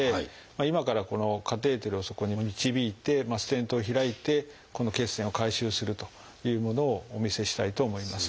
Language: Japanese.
今からこのカテーテルをそこに導いてステントを開いてこの血栓を回収するというものをお見せしたいと思います。